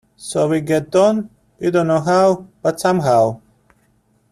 So we get on, we don't know how, but somehow.